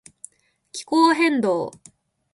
気候変動